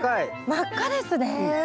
真っ赤ですね。